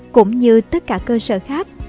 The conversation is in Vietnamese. cũng như tất cả cơ sở khác